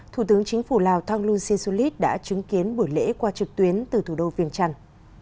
thủ tướng chính phủ lào thang lung sinsulit đã chứng kiến buổi lễ qua trực tuyến từ thủ đô viêm trăng